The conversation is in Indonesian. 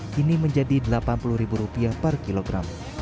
kini menjadi delapan puluh rupiah per kilogram